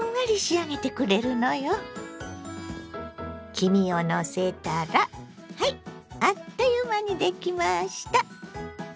黄身をのせたらはいあっという間にできました！